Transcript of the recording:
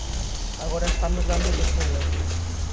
Agora estamos dándolle pulo.